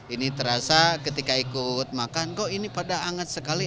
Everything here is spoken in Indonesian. ini terasa ketika ikut makan kok ini pada hangat sekali